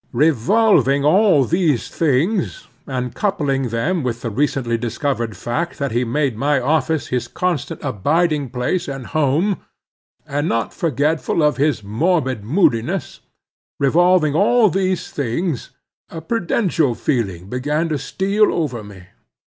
Revolving all these things, and coupling them with the recently discovered fact that he made my office his constant abiding place and home, and not forgetful of his morbid moodiness; revolving all these things, a prudential feeling began to steal over me.